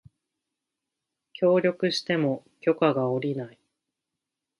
協力しても許可が降りない